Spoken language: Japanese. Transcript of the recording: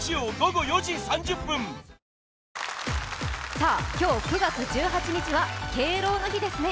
さあ、今日９月１８日は敬老の日ですね。